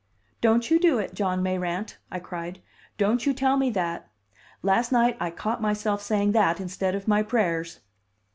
"Don't you do it, John Mayrant!" I cried. "Don't you tell me that. Last night I caught myself saying that instead of my prayers."